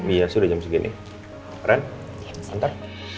iya sudah jam segini ren ntar